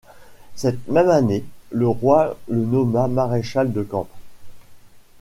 Cette même année, le roi le nomma maréchal de camp.